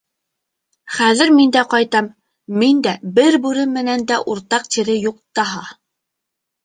Хәҙер мин дә ҡайтам, миндә бер бүре менән дә уртаҡ тире юҡ таһа.